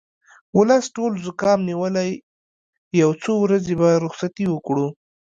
ولس ټول زوکام نیولی یو څو ورځې به رخصتي وکړو